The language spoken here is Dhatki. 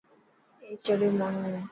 اي چريو ماڻهو هي.